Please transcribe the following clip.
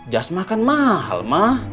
jas makan mahal ma